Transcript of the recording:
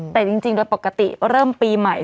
แต่จริงโดยปกติเริ่มปีใหม่